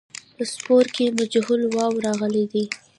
په سپور کې مجهول واو راغلی دی.